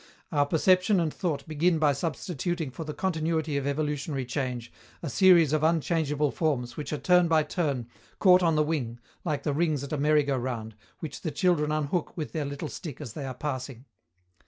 Our perception and thought begin by substituting for the continuity of evolutionary change a series of unchangeable forms which are turn by turn, "caught on the wing," like the rings at a merry go round, which the children unhook with their little stick as they are passing.